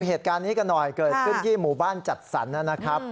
เหตุการณ์นี้กันหน่อยเกิดขึ้นที่หมู่บ้านจัดสรรนะครับ